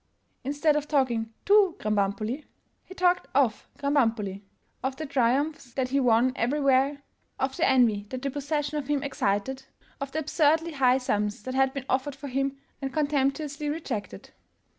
Instead of talking to Krambambuli, he talked of Kram bambuli — of the triumphs that he won everywhere, of the 420 THE GERMAN CLASSICS envy that the possession of him excited, of the absurdly high sums that had been offered for him and contemptu ously rejected.